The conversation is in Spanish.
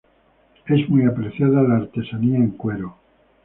Es muy apreciada la artesanía en cuero.